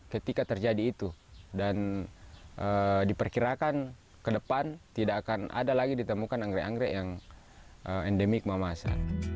ketika terjadi itu dan diperkirakan ke depan tidak akan ada lagi ditemukan anggrek anggrek yang endemik mamasa